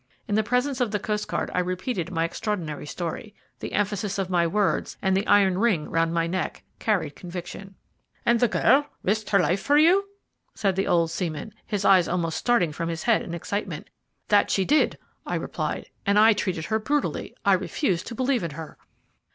In the presence of the coastguard, I repeated my extraordinary story. The emphasis of my words, and the iron ring round my neck, carried conviction. "And the girl risked her life for you?" said the old seaman, his eyes almost starting from his head in his excitement. "That she did," I replied, "and I treated her brutally I refused to believe in her."